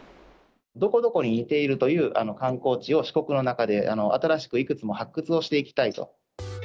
どこどこに似ているという観光地を、四国の中で新しくいくつも発掘をしていきたいと。